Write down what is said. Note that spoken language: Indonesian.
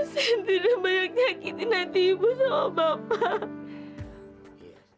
saya tidak banyak nyakitin nanti ibu sama bapak